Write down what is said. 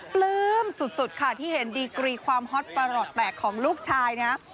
ปลื้มสุดค่ะที่เห็นดีกรีความฮอตประหลอดแตกของลูกชายนะครับ